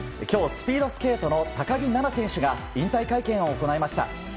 今日、スピードスケートの高木菜那選手が引退会見を行いました。